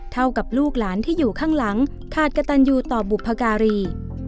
เท่ากับลูกหลานที่อยู่ข้างหลังขาดกระตันยูต่อบุพการี